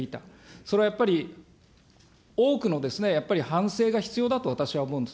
それはやっぱり、多くのやっぱり反省が必要だと私は思うんです。